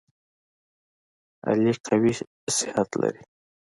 علي قوي صحت لري.